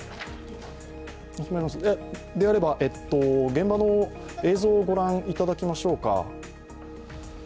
現場の映像をご覧いただきましょうか。